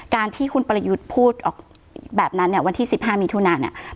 การที่คุณประยุทธ์พูดออกแบบนั้นเนี่ยวันที่๑๕มิถุนาเนี่ย